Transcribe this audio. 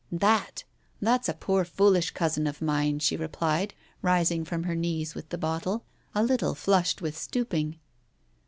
"That! That's a poor foolish cousin of mine," she replied, rising from her knees with the bottle, a little flushed with stooping.